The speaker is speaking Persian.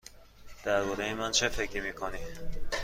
درباره من چه فکر می کنی؟